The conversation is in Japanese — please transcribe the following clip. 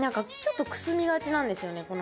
ちょっとくすみがちなんですよね